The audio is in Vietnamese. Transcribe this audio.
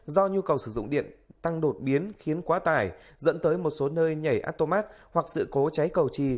do nhu cầu sử dụng điện tăng đột biến khiến quá tải dẫn tới một số nơi nhảy atomat hoặc sự cố cháy cầu trì